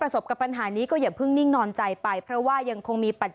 ฮัลโหลฮัลโหลฮัลโหลฮัลโหลฮัลโหลฮัลโหล